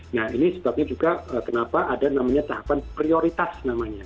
nah ini sebabnya juga kenapa ada namanya tahapan prioritas namanya